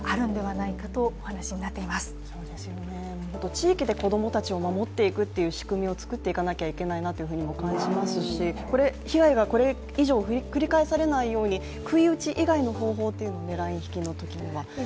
地域の子どもたちを守っていくという仕組みを作っていかなきゃいけないなというふうにも感じますし被害がこれ以上繰り返されないように杭打ち以外の方法も必要ですね。